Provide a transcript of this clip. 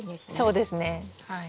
そうですねはい。